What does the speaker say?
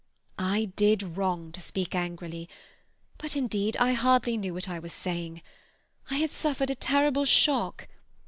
"I did wrong to speak angrily, but indeed I hardly knew what I was saying. I had suffered a terrible shock.